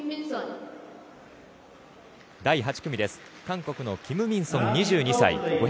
第８組韓国のキム・ミンソン２２歳。